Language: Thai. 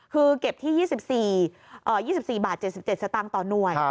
คือเก็บที่๒๔บาท๗๗สตางค์ต่อหน่วย